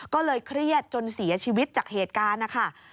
ก็เลยเครียดจนเสียชีวิตจากเหตุการณ์นะคะ